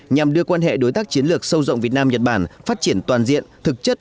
nhằm đưa quan hệ đối tác chiến lược sâu rộng việt nam nhật bản phát triển toàn diện thực chất